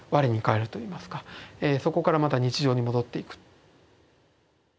そこからまた日常に戻っていく。